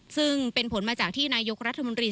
ซึ่งเป็นผลมาจากที่นายกรัฐมนตรี